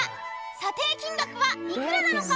［査定金額は幾らなのか？］